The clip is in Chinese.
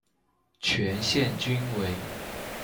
全线均为。